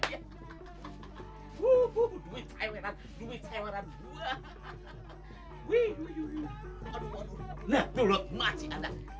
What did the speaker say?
tapi caranya jangan begitu dong